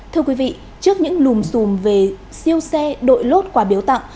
thưa quý vị trước những lùm xùm về siêu xe đội lốt quả biếu tặng